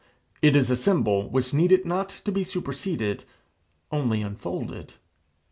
It is a symbol which needed not to be superseded, only unfolded.